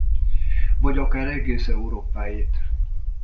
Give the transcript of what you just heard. Vagy akár egész Európáét.